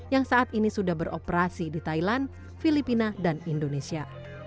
yang saat ini sudah beroperasi di thailand filipina dan indonesia